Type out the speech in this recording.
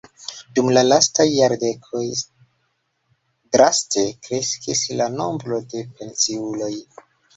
Dum la lastaj jardekoj draste kreskis la nombro de pensiuloj.